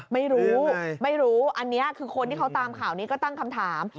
ไม่รู้ไม่รู้อันนี้คือคนที่เขาตามข่าวนี้ก็ตั้งคำถาม